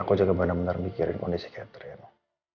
aku juga benar benar mikirin kondisi catherine